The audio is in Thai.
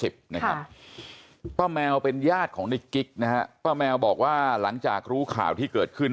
ป้าแมวเป็นญาติของในกิ๊กนะฮะป้าแมวบอกว่าหลังจากรู้ข่าวที่เกิดขึ้น